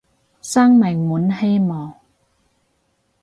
生命滿希望